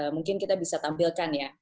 mungkin kita bisa tampilkan ya